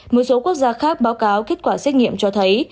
một số quốc gia khác báo cáo kết quả xét nghiệm cho thấy